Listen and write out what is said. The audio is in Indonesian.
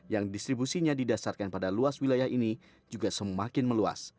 yang distribusinya didasarkan pada luas wilayah ini juga semakin meluas